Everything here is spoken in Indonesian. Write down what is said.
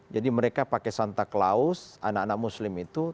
jadi mereka pakai santa claus anak anak muslim itu